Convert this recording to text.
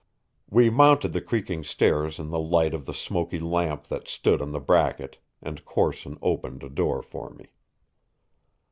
We mounted the creaking stairs in the light of the smoky lamp that stood on the bracket, and Corson opened a door for me.